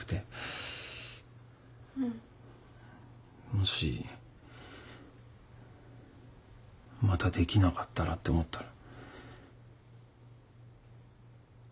もしまたできなかったらって思ったら。